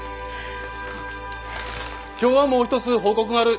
今日はもう一つ報告がある。